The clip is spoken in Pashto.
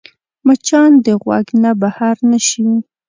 مچان د غوږ نه بهر نه شي